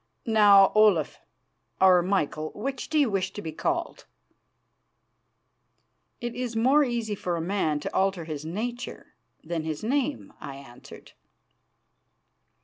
"Now, Olaf, or Michael which do you wish to be called?" "It is more easy for a man to alter his nature than his name," I answered.